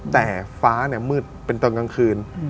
แต่ฟ้ามืดเป็นตอนกลางคืน